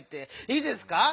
いいですか？